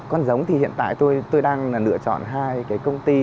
con giống thì hiện tại tôi đang lựa chọn hai cái công ty